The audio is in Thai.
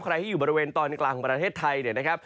ใครที่อยู่บริเวณตอนกลางของประเทศไทยเนี่ยนะครับ